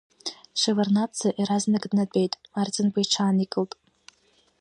Шьеварднаӡе иаразнак днатәеит, Арӡынба иҽааникылт.